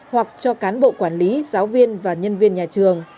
hoặc cho cán bộ quản lý giáo viên và nhân viên nhà trường